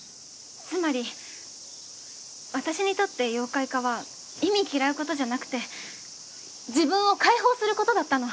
つまり私にとって妖怪化は忌み嫌う事じゃなくて自分を解放する事だったの。